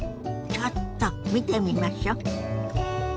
ちょっと見てみましょ。